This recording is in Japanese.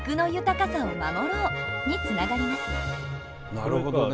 なるほどね。